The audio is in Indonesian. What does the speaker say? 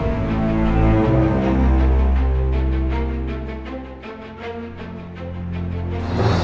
aku tidak kuat lagi menjalani hidup seperti ini